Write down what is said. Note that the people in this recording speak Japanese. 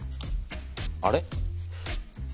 あれ？